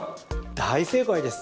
大正解です。